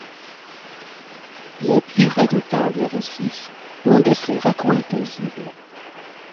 Les plus redoutables récifs ont de ces recoins paisibles.